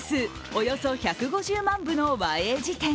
およそ１５０万部の和英辞典。